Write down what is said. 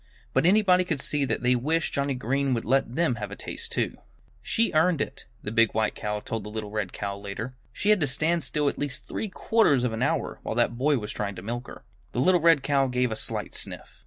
But anybody could see that they wished Johnnie Green would let them have a taste too. "She earned it," the big white cow told the little red cow, later. "She had to stand still at least three quarters of an hour, while that boy was trying to milk her." The little red cow gave a slight sniff.